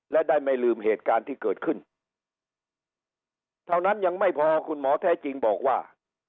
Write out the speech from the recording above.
และได้ไม่ลืมเหตุการณ์ที่เกิดขึ้นเท่านั้นยังไม่พอคุณหมอแท้จริงบอกว่า